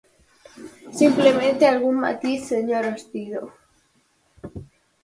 Simplemente algún matiz, señor Ospido.